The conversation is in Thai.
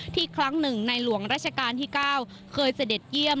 ครั้งหนึ่งในหลวงราชการที่๙เคยเสด็จเยี่ยม